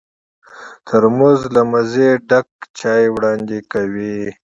ترموز له مزې ډک چای وړاندې کوي.